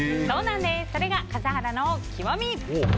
それが笠原の極み。